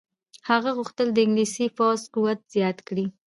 هغه غوښتل د انګلیسي پوځ قوت زیات کړي.